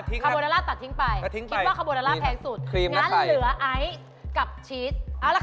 ผมชอบไอซ์เรโอชอบชีส